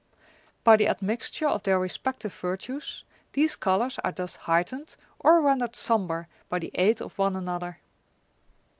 By the admixture of their respective virtues these colours are thus heightened or rendered sombre by the aid of one another.